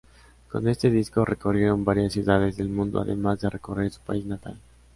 Con este disco recorrieron varias ciudades del mundo además de recorrer su país natal.